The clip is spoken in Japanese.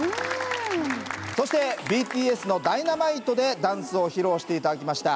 そしてＢＴＳの「Ｄｙｎａｍｉｔｅ」でダンスを披露して頂きました